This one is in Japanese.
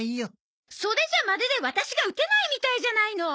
それじゃまるでワタシが打てないみたいじゃないの！